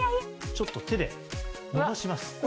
ちょっと手でのばします。